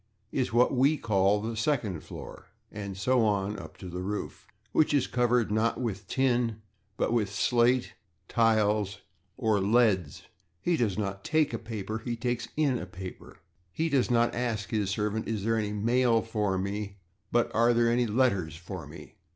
is what we call the /second floor/, and so on up to the roof which is covered not with /tin/, but with /slate/, /tiles/ or /leads/. He does not /take/ a paper; he /takes in/ a paper. He does not ask his servant, "is there any /mail/ for me?" but, "are there any /letters/ for me?"